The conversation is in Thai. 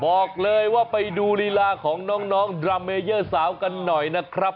บอกเลยว่าไปดูลีลาของน้องดราเมเยอร์สาวกันหน่อยนะครับ